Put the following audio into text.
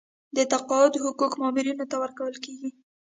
د تقاعد حقوق مامورینو ته ورکول کیږي